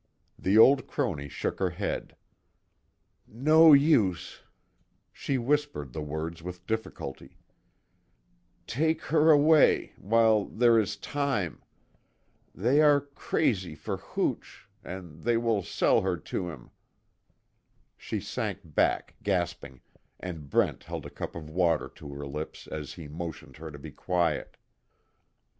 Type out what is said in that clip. The old crone shook her head: "No use," she whispered the words with difficulty, "Take her away while there is time. They are crazy for hooch and they will sell her to him." She sank back gasping, and Brent held a cup of water to her lips as he motioned her to be quiet.